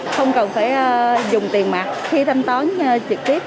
không cần phải dùng tiền mặt khi thanh toán trực tiếp